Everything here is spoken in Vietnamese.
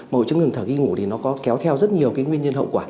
mà hội chứng ngừng thở khi ngủ thì nó có kéo theo rất nhiều cái nguyên nhân hậu quả